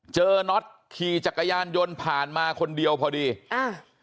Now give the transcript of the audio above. น็อตขี่จักรยานยนต์ผ่านมาคนเดียวพอดีอ่า